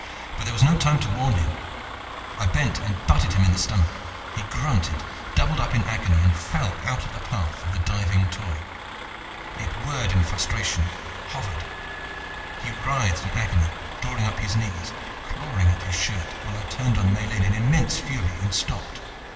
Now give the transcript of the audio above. But there was no time even to warn him. I bent and butted him in the stomach. He grunted, doubled up in agony and fell out of the path of the diving Toy. It whirred in frustration, hovered. He writhed in agony, drawing up his knees, clawing at his shirt, while I turned on Miellyn in immense fury and stopped.